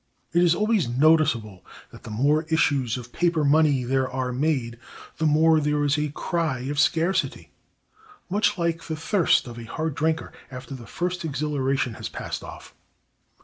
It is always noticeable that the more issues of paper money there are made, the more there is a cry of scarcity, much like the thirst of a hard drinker after the first exhilaration has passed off.